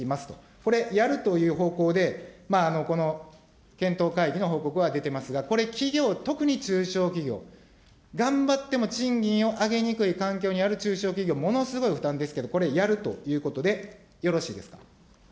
これ、やるという方向で検討会議の報告は出てますが、これ、企業、特に中小企業、頑張っても賃金を上げにくい環境にある中小企業、ものすごい負担ですけど、これやるということでよろしいですか。